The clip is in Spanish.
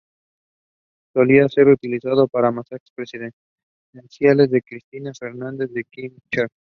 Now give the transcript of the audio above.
Solía ser utilizado para mensajes presidenciales de Cristina Fernández de Kirchner.